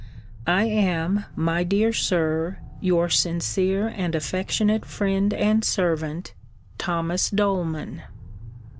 I am, my dear Sir, Your sincere and affectionate friend and servant, THO. DOLEMAN.